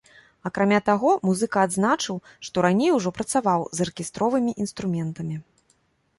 Акрамя таго, музыка адзначыў, што раней ужо працаваў з аркестровымі інструментамі.